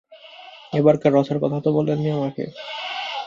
এবারকার রথের কথা তো বলেননি আমাকে?